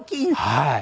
はい。